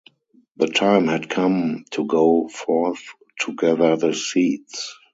The time had come to go forth to gather the seeds.